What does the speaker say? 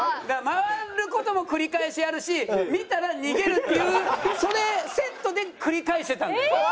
回る事も繰り返しやるし見たら逃げるっていうそれセットで繰り返してたんだよ。